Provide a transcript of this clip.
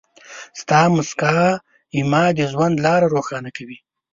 ستا مسکا زما د ژوند لاره روښانه کوي.